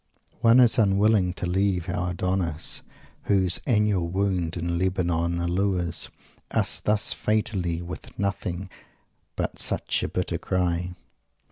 One is unwilling to leave our Adonais, whose "annual wound in Lebanon allures" us thus fatally, with nothing but such a bitter cry.